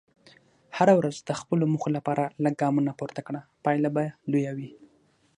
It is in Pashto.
هره ورځ د خپلو موخو لپاره لږ ګامونه پورته کړه، پایله به لویه وي.